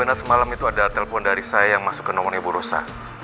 ternyata semalam benar itu ada telpon dari saya yang masuk ke nomornya bu rosa